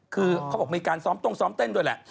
คือเขาบอกมีการซ้อมตรงซ้อมเต้นด้วยแหละ